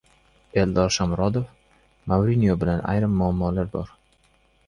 Eldor Shomurodov: "Mourinyo bilan ayrim muammolar bor"